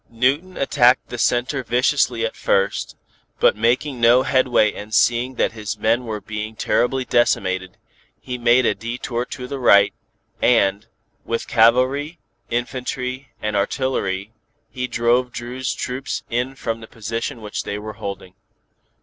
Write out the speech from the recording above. Newton attacked the center viciously at first, but making no headway and seeing that his men were being terribly decimated, he made a detour to the right, and, with cavalry, infantry and artillery, he drove Dru's troops in from the position which they were holding.